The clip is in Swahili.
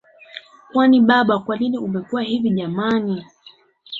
Kwani baba kwanini umekuwa hivi jamani